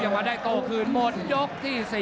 ว่าได้โต้คืนหมดยกที่๔